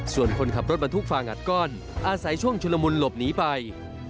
ส่วนคนขับรถบรรทุกฟางอัดก้อนอาศัยช่วงชุลมุนหลบหนีไป